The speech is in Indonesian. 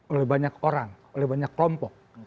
oleh banyak orang oleh banyak kelompok